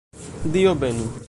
Dio benu!